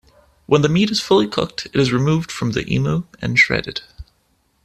When the meat is fully cooked, it is removed from the imu and shredded.